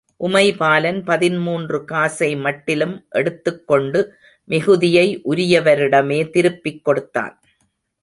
உமைபாலன் பதின்மூன்று காசை மட்டிலும் எடுத்துக் கொண்டு, மிகுதியை உரியவரிடமே திருப்பிக் கொடுத்தான்.